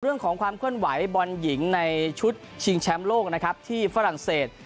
เรื่องของความเคลื่อนไหวบอลหญิงในชุดชิงแชมป์โลกนะครับที่ฝรั่งเศส